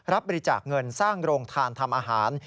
รับบริจาคเงินสร้างโรงทานทำอาหาร